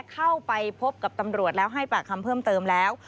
เข้าไปพบกับตำรวจแล้วให้ปากคำเพิ่มเติมแล้ว